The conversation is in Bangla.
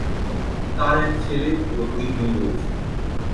তার এক ছেলে ও দুই মেয়ে রয়েছে।